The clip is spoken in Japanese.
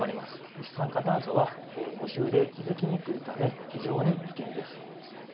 一酸化炭素は無臭で気付きにくいため、非常に危険です。